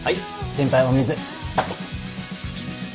先輩お水。